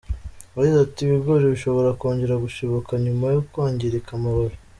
Yagize ati “Ibigori bishobora kongera gushibuka nyuma yo kwangirika amababi.